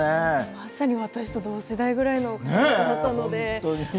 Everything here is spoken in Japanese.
まさに私と同世代ぐらいの方々だったので。